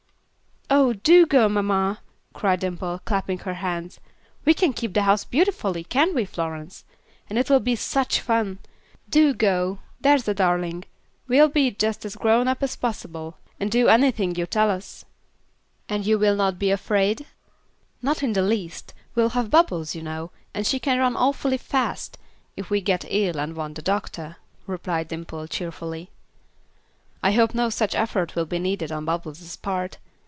"Oh! do go, mamma," cried Dimple, clapping her hands. "We can keep house beautifully, can't we, Florence? and it will be such fun. Do go, there's a darling. We'll be just as grown up as possible, and do anything you tell us." "And you will not be afraid?" "Not in the least. We'll have Bubbles, you know, and she can run awfully fast, if we get ill, and want the doctor," replied Dimple, cheerfully. "I hope no such effort will be needed on Bubbles' part.